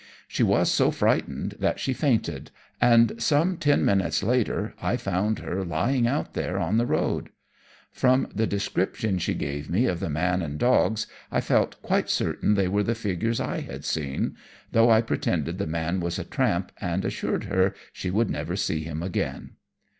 She was so frightened that she fainted, and some ten minutes later I found her lying out there on the road. From the description she gave me of the man and dogs, I felt quite certain they were the figures I had seen; though I pretended the man was a tramp, and assured her she would never see him again.